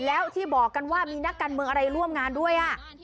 แล้วที่บอกกันว่ามีนักการเมืองอะไรร่วมงานด้วย